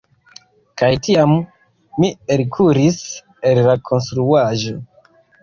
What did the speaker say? Kaj tiam mi elkuris el la konstruaĵo.